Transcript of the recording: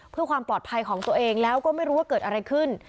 เพื่อความปลอดภัยของตัวเองแล้วก็ไม่รู้ว่าเกิดอะไรขึ้น